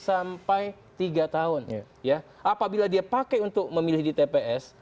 apabila dia pakai untuk memilih di tps